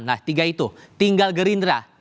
nah tiga itu tinggal gerindra